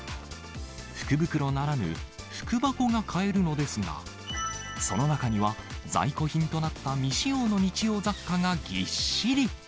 福袋ならぬ、福箱が買えるのですが、その中には、在庫品となった未使用の日用雑貨がぎっしり。